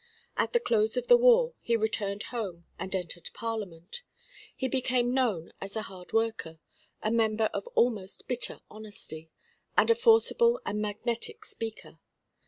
At the close of the war, he returned home and entered Parliament. He became known as a hard worker, a member of almost bitter honesty, and a forcible and magnetic speaker.